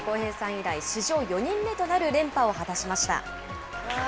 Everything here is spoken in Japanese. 以来、史上４人目となる連覇を果たしました。